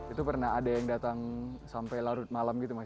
itu pernah ada yang datang sampai larut malam gitu mas